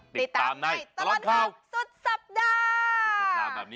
ติดตามในตลอดข่าวสุดสัปดาห์